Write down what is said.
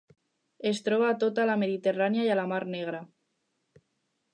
Es troba a tota la Mediterrània i a la Mar Negra.